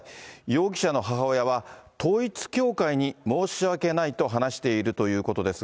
容疑者の母親は統一教会に申し訳ないと話しているということです